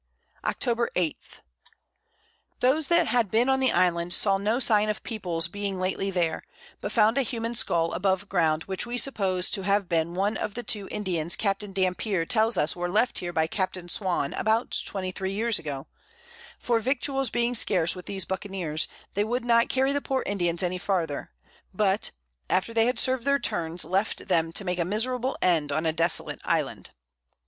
Octob. 8. Those that had been on the Island saw no Sign of Peoples being lately there, but found a human Skull above Ground, which we suppose to have been one of the two Indians Capt. Dampier tells us were left here by Capt. Swann, about 23 Years ago; for Victuals being scarce with these Buccaneers, they would not carry the poor Indians any farther, but, after they had served their Turns, left them to make a miserable End on a desolate Island.